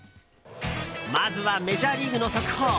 まずはメジャーリーグの速報。